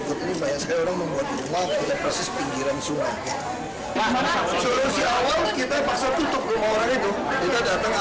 kita datang ambil